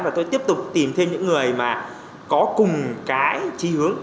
và tôi tiếp tục tìm thêm những người mà có cùng cái trí hướng